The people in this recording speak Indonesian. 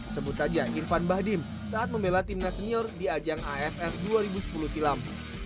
sebut saja irfan bahdim saat membela timnas senior di ajang aff dua ribu sepuluh silam